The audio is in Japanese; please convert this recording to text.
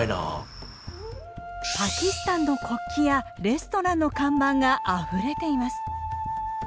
パキスタンの国旗やレストランの看板があふれています。